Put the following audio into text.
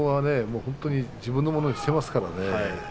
本当に自分のものにしていますからね。